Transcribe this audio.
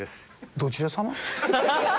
どちら様？